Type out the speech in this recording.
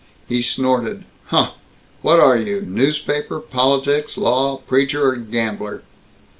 He snorted. "Huh! What are you newspaper, politics, law, preacher, or gambler?"